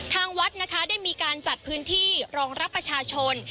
ทางวัดนะคะได้มีการจัดพื้นที่รองรับประชาชน